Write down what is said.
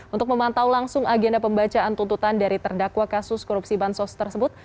untuk memantau langsung agenda pembacaan tuntutan dari terdakwa kasus korupsi bansos tersebut